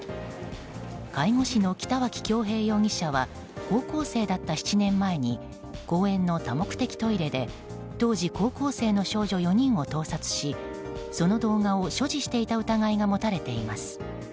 介護士の北脇恭平容疑者は高校生だった７年前に公園の多目的トイレで当時、高校生の少女４人を盗撮しその動画を所持していた疑いが持たれています。